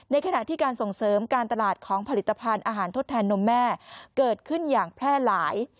ขณะที่การส่งเสริมการตลาดของผลิตภัณฑ์อาหารทดแทนนมแม่เกิดขึ้นอย่างแพร่หลาย